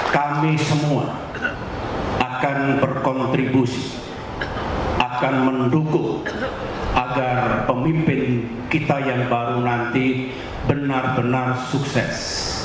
kami semua akan berkontribusi akan mendukung agar pemimpin kita yang baru nanti benar benar sukses